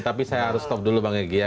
tapi saya harus stop dulu bang egy ya